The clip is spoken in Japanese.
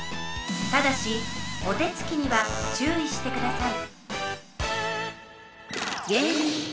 ただしお手つきにはちゅういしてください。